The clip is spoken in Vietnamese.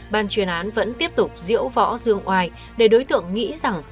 ban chuyên án vẫn tiếp tục diễu võ dương oai để đối tượng nghĩ rằng